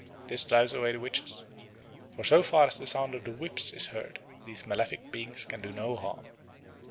This drives away the witches; for so far as the sound of the whips is heard, these maleficent beings can do no harm.